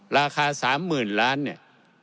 ราคาสามหมื่นล้านเนี่ย